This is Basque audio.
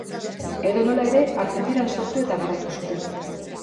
Edonola ere, Argentinan sortu eta garatu zuten.